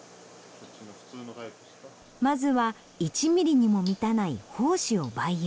まずは１ミリにも満たない胞子を培養。